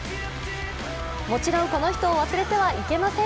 もちろんこの人を忘れてはいけません。